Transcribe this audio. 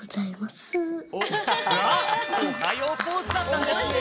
あっおはようポーズだったんですね！